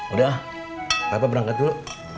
udah bapak berangkat dulu